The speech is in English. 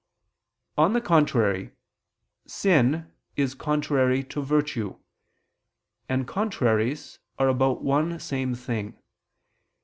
On the contrary, Sin is contrary to virtue: and contraries are about one same thing.